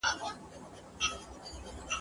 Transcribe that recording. د غم په شپه یې خدای پیدا کړی !.